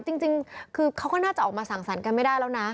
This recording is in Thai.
จริงคือเขาก็น่าจะออกมาสั่งสรรค์กันไม่ได้แล้วนะ